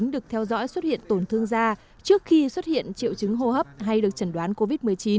được theo dõi xuất hiện tổn thương da trước khi xuất hiện triệu chứng hô hấp hay được chẩn đoán covid một mươi chín